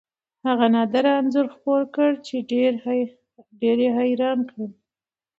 هغه نادره انځور خپور کړ چې ډېر حیران یې کړل.